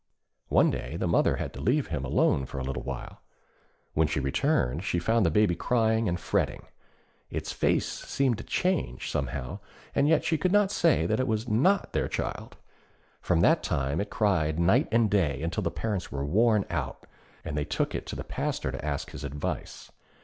One day the mother had to leave him alone a little while. When she returned she found the baby crying and fretting. Its face seemed changed, somehow, and yet she could not say that it was not their child. From that time it cried night and day until the parents were worn out, and they took it to the Pastor to ask his advice.